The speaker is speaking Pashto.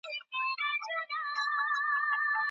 د لاس لیکنه د قلم د قدردانۍ تر ټولو غوره طریقه ده.